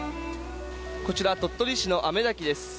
こちら、鳥取市の雨滝です。